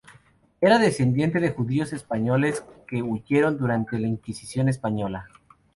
Era descendiente de judíos españoles, que huyeron durante la inquisición española.